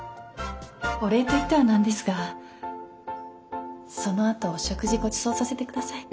お礼と言っては何ですがそのあとお食事ごちそうさせてください。